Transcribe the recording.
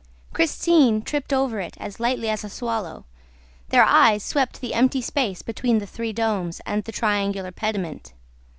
Christine tripped over it as lightly as a swallow. Their eyes swept the empty space between the three domes and the triangular pediment.